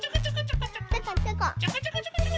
ちょこちょこちょこちょこ。